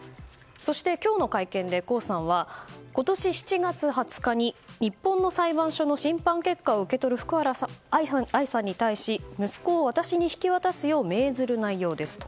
そして今日の会見で江さんは今年７月２０日に日本の裁判所の審判結果を受け取る福原愛さんに対し息子を私に引き渡すよう命ずる内容ですと。